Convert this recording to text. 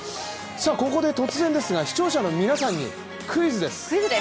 ここで突然ですが、視聴者の皆さんにクイズです。